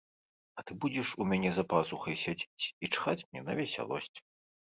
А ты будзеш у мяне за пазухай сядзець і чхаць мне на весялосць.